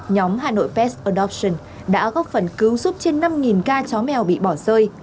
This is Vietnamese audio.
nhóm hà nội pest odofton đã góp phần cứu giúp trên năm ca chó mèo bị bỏ rơi